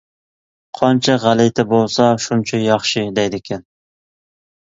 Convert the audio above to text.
قانچە غەلىتە بولسا شۇنچە ياخشى، دەيدىكەن.